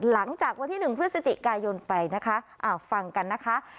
หลังจากวันที่๑พฤศจิกายนไปนะคะฟังกันนะคะ